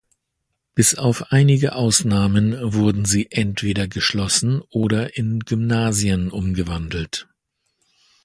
Bis auf einige Ausnahmen wurden sie entweder geschlossen oder in Gymnasien umgewandelt.